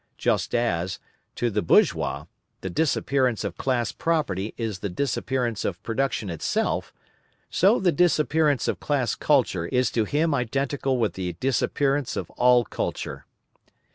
Just as, to the bourgeois, the disappearance of class property is the disappearance of production itself, so the disappearance of class culture is to him identical with the disappearance of all culture.